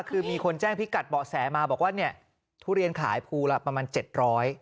คือมีคนแจ้งพิกัดเบาะแสมาบอกว่าเนี่ยทุเรียนขายภูละประมาณเจ็ดร้อย